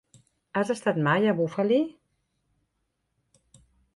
Has estat mai a Bufali?